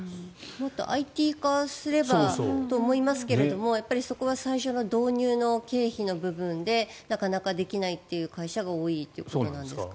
もっとＩＴ化すればと思いますがそこは最初の導入の経費の部分でなかなかできないっていう会社が多いっていうことなんですか？